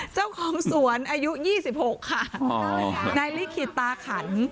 เจ้าของสวนอายุ๒๖ค่ะนายลิขิตตาขัน